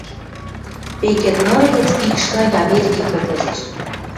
Пекетныр гӹц пикш гань Аверки кыргыжеш.